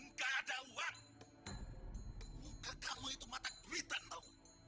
enggak ada uang enggak kamu itu mata kerita tau